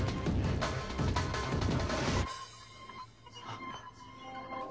あっ。